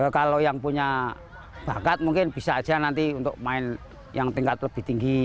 kalau yang punya bakat mungkin bisa aja nanti untuk main yang tingkat lebih tinggi